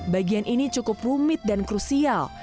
bagian ini cukup rumit dan krusial